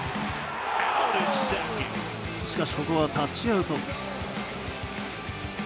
しかし、ここはタッチアウト。